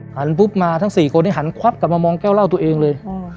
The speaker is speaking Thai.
หันปุ๊บมาทั้งสี่คนเนี้ยหันควับกลับมามองแก้วเล่าตัวเองเลยอ่า